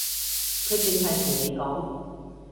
佢淨係同你講